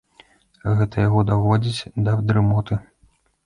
Гэта яго даводзіць да дрымоты.